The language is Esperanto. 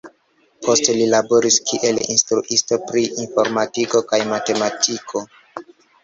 Poste li laboris kiel instruisto pri informadiko kaj matematiko.